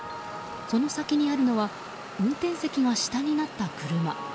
その先にあるのは運転席が下になった車。